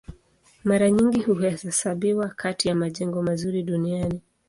Mara nyingi huhesabiwa kati ya majengo mazuri duniani.